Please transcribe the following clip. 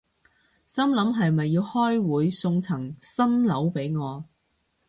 心諗係咪要開會送層新樓畀我